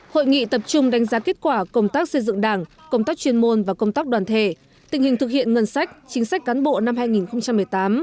hội nghị tập trung đánh giá kết quả công tác xây dựng đảng công tác chuyên môn và công tác đoàn thể tình hình thực hiện ngân sách chính sách cán bộ năm hai nghìn một mươi tám